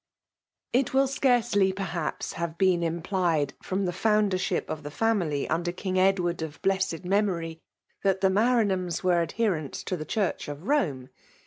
It will scarcely, perhaps, have been implied from the foundership of the family under King Edward of blessed memory, that the Maranhams were adherents to the church of Borne.